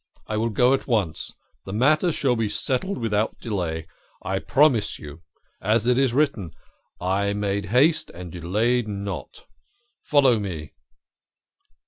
I will go at once the matter shall be settled without delay, I promise you ; as it is written, ' I made haste and delayed not !' Follow me